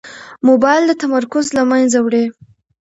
موبایل د تمرکز له منځه وړي.